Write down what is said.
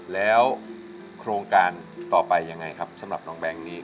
แล้วโครงการต่อไปยังไงครับสำหรับน้องแบงค์นี้